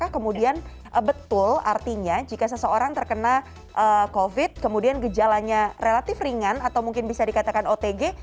kemudian betul artinya jika seseorang terkena covid kemudian gejalanya relatif ringan atau mungkin bisa dikatakan otg